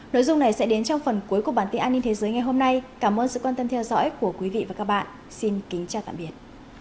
nội dung này sẽ đến trong phần cuối của bản tin an ninh thế giới ngày hôm nay cảm ơn sự quan tâm theo dõi của quý vị và các bạn xin kính chào tạm biệt